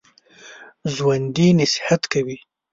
ژوندي نصیحت کوي